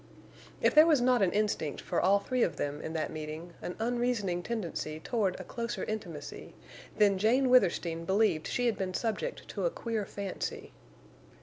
If there was not an instinct for all three of them in that meeting, an unreasoning tendency toward a closer intimacy, then Jane Withersteen believed she had been subject to a queer fancy.